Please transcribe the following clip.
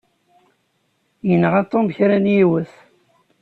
Yenɣa Tom kra n yiwet.